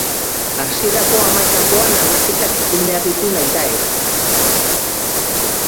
Hasierako hamaikakoan aldaketak egin behar ditu nahitaez.